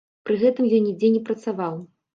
Пры гэтым ён нідзе не працаваў.